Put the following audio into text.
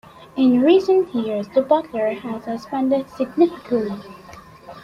In recent years, the Butler has expanded significantly.